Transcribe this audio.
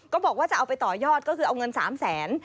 บอกว่าจะเอาไปต่อยอดก็คือเอาเงิน๓แสน